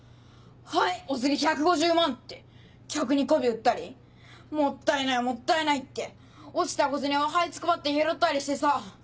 「はいお釣り１５０万」って客に媚び売ったりもったいないもったいないって落ちた小銭をはいつくばって拾ったりしてさ。